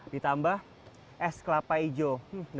ditambah es kelapa hijau